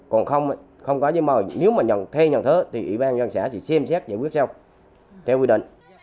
còn không có giấy mòi nếu mà nhận thay nhận thế thì ủy ban dân xã sẽ xem xét giải quyết theo theo quy định